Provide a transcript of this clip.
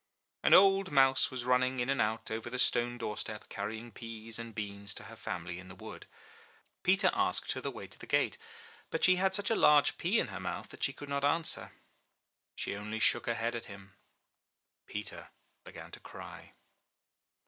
An old mouse was run ning in and out over the stone doorstep, carrying peas and beans to her family in the wood. Peter asked her the way to the gate, but she had such a large pea in her mouth that she could not answer. She only shook her head at him. Peter began to cry.